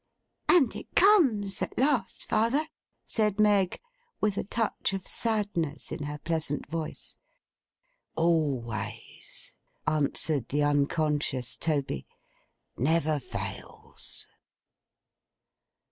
'And it comes—at last, father,' said Meg, with a touch of sadness in her pleasant voice. 'Always,' answered the unconscious Toby. 'Never fails.